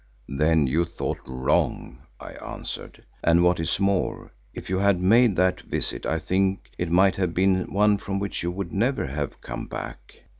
"Then you thought wrong," I answered, "and what is more, if you had made that visit I think it might have been one from which you would never have come back."